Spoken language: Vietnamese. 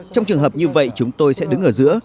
trong trường hợp như vậy chúng tôi sẽ đứng ở giữa